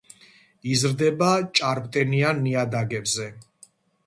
იზრდება ჭარბტენიან ნიადაგებზე.